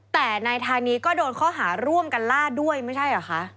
แต่นายธานีก็โดนข้อหาร่วมกันล่าด้วยไม่ใช่เหรอคะ